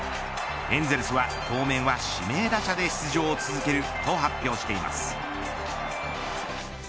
エンゼルスは、当面は指名打者で出場を続けると発表しています。